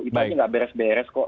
ipahnya nggak beres beres kok